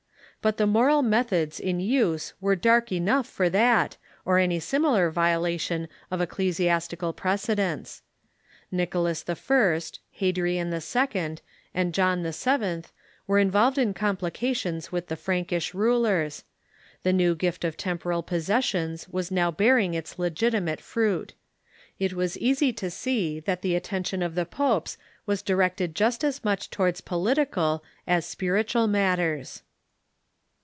But the moral methods 126 THE MEDIEVAL CHURCH in use were dark enough for that, or any similar violation of ecclesiastical precedents. Nicholas I., Hadrian II., and John VII, were involved in complications with the Frankisli rulers. The new gift of temporal possessions was now bearing its legitimate fruit. It was easy to see that the attention of the popes was directed just as much towards political as spiritual matters.